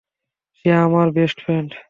সে আমার best friend.